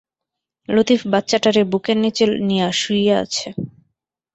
লতিফ বাচ্চাটারে বুকের নিচে নিয়া শুইয়া আছে।